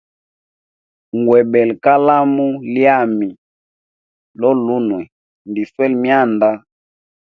Ngwebele kalamu lyami lolunwe, ndjiswele myanda.